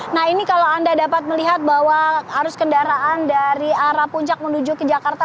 nah ini kalau anda dapat melihat bahwa arus kendaraan dari arah puncak menuju ke jakarta